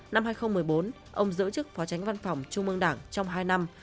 năm hai nghìn một mươi bốn ông giữ chức phó tránh văn phòng trung mương đảng trong hai năm